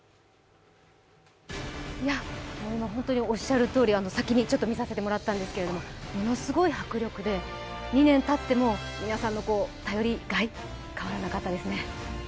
おっしゃるとおり、先に見させてもらったんですけどものすごい迫力で２年たっても皆さんの頼りがい変わらなかったですね。